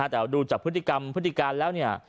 แต่ดูจากพฤติกรรมพฤติการแล้วเนี่ย